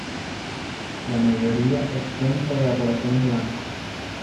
La mayoría extensa de la población es blanca.